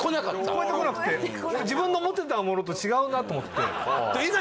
超えてこなくて自分の思ってたものと違うなと思ってでいざ